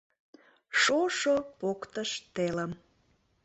Шошо поктыш телым